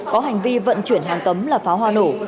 có hành vi vận chuyển hàng cấm là pháo hoa nổ